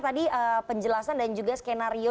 tadi penjelasan dan juga skenario